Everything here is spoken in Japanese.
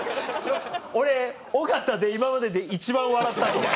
俺尾形で今までで一番笑った。